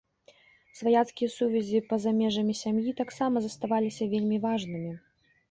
Сваяцкія сувязі па-за межамі сям'і таксама заставаліся вельмі важнымі.